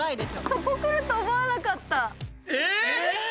そこくると思わなかった・えーっ！